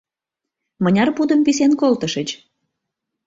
Мыняр пудым висен колтышыч?